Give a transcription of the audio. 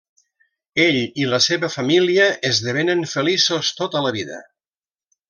Ell i la seva família esdevenen feliços tota la vida.